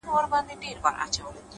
• كوم خوشال به لړزوي په كټ كي زړونه,